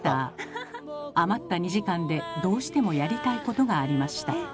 余った２時間でどうしてもやりたいことがありました。